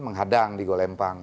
menghadang di golempang